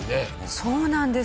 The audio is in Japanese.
そうなんです。